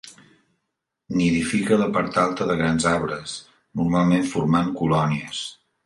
Nidifica a la part alta de grans arbres, normalment formant colònies.